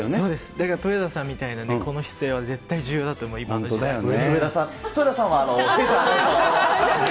だからとよださんみたいな、この姿勢は絶対に重要だと思う、今の時代は。